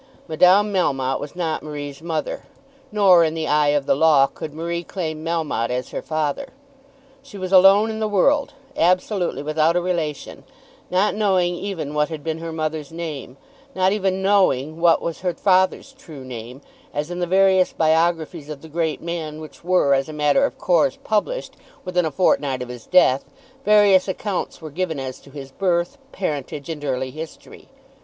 Madame Melmotte was not Marie's mother, nor, in the eye of the law, could Marie claim Melmotte as her father. She was alone in the world, absolutely without a relation, not knowing even what had been her mother's name, not even knowing what was her father's true name, as in the various biographies of the great man which were, as a matter of course, published within a fortnight of his death, various accounts were given as to his birth, parentage, and early history.